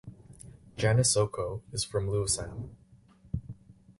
Janice Okoh is from Lewisham.